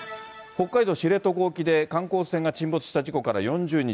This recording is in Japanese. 北海道知床沖で観光船が沈没した事故から４０日。